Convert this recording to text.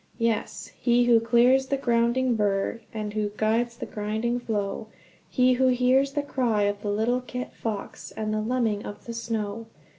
Yes, he "Who clears the grounding berg And guides the grinding floe, He hears the cry of the little kit fox And the lemming of the snow!"